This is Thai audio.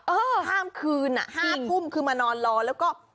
ข้ามคืนอ่ะ๕ทุ่มคือมานอนรอแล้วก็